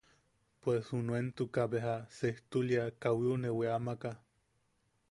Pues junuentuka, beja sejtulia, kawiu ne weamaka.